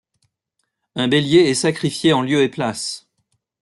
Un bélier est sacrifié en lieu et place.